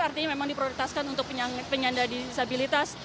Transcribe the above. artinya memang diprioritaskan untuk penyandang disabilitas